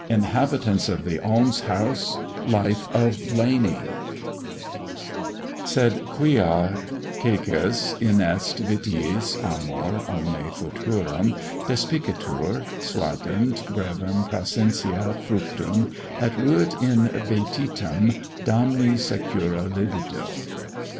INHABITANTS OF THE ALMS HOUSE. Sed quia caecus inest vitiis amor, omne futurum Despicitur; suadent brevem praesentia fructum, Et ruit in vetitum damni secura libido.